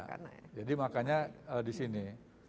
nah jadi makanya di sini